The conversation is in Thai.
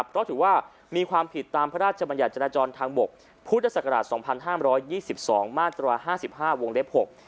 เพราะถือว่ามีความผิดตามพระราชบัญญาณจราจรทางบกพศ๒๕๒๒มาตรวา๕๕วงเลฟ๖